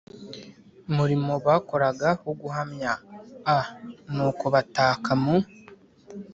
murimo bakoraga wo guhamya a Nuko bataka mu